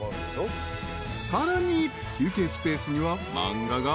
［さらに休憩スペースには漫画がずらり］